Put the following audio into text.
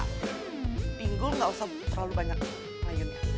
nah pinggul gak usah terlalu banyak ngayun